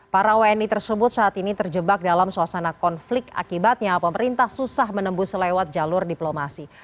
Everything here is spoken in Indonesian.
para wni tersebut saat ini terjebak dalam suasana konflik akibatnya pemerintah susah menembus lewat jalur diplomasi